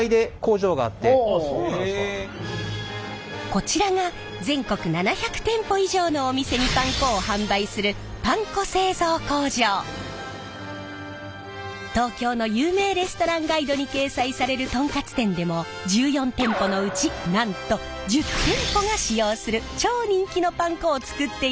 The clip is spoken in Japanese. こちらが全国７００店舗以上のお店にパン粉を販売する東京の有名レストランガイドに掲載されるトンカツ店でも１４店舗のうちなんと１０店舗が使用する超人気のパン粉を作っているんです！